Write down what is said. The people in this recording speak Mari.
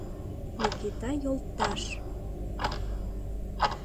Микита йолташ!